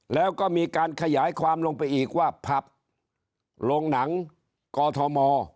แล้วก็มีการขยายความลงไปอีกว่าผับโรงหนังกอทม